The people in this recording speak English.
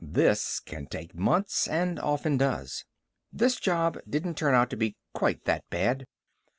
This can take months, and often does. This job didn't turn out to be quite that bad.